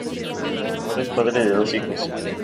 Ahora es padre de dos hijos.